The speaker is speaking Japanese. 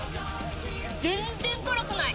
全然辛くない。